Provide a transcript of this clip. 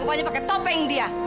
bukannya pakai topeng dia